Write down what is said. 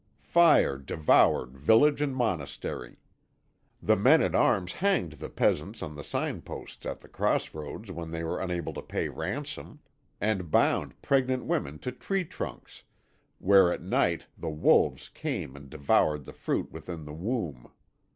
Fire devoured village and monastery. The men at arms hanged the peasants on the sign posts at the cross roads when they were unable to pay ransom, and bound pregnant women to tree trunks, where at night the wolves came and devoured the fruit within the womb.